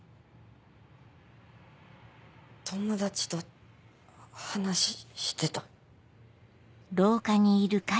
友達と話してた。